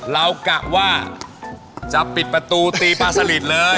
กะว่าจะปิดประตูตีปลาสลิดเลย